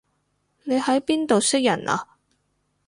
你喺邊度識人啊